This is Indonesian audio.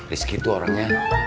rizky tuh orangnya